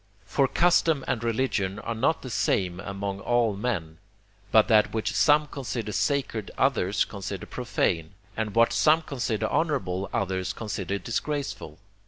For custom and religion are not the same among all men, but that which some consider sacred others consider profane, and what some consider honourable others consider disgraceful.